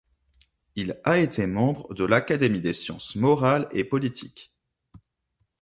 Il a été membre de l'Académie des sciences morales et politiques.